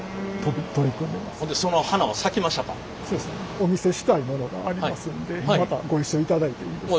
お見せしたいものがありますんでまたご一緒いただいていいですか？